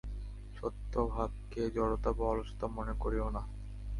সত্ত্বভাবকে জড়তা বা অলসতা মনে করিও না।